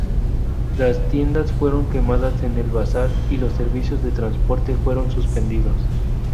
Las tiendas fueron quemadas en el bazar y los servicios de transporte fueron suspendidos.